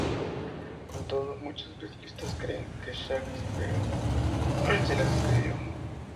Con todo, muchos especialistas creen que Shakespeare sí las escribió.